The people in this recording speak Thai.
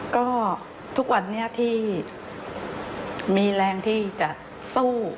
ก็ทุกวันนี้ที่มีแรงที่จะสู้